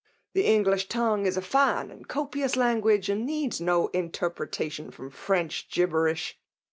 The English tongue is a fine and copious language^ and needs no in terpretation from French gibberish.